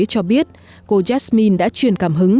cho biết cô jasmine đã truyền cảm hứng